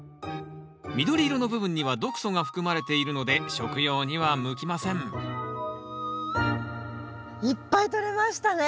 緑色の部分には毒素が含まれているので食用には向きませんいっぱいとれましたね。